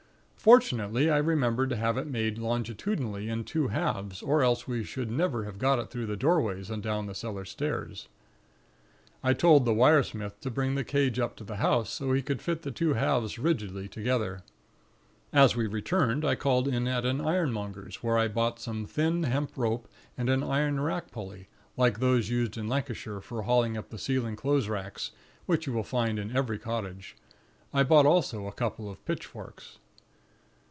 Fortunately, I remembered to have it made longitudinally in two halves, or else we should never have got it through the doorways and down the cellar stairs. "I told the wire smith to bring the cage up to the house so he could fit the two halves rigidly together. As we returned, I called in at an ironmonger's, where I bought some thin hemp rope and an iron rack pulley, like those used in Lancashire for hauling up the ceiling clothes racks, which you will find in every cottage. I bought also a couple of pitchforks.